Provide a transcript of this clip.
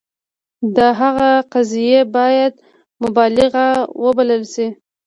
د هغه قضیې باید مبالغه وبلل شي.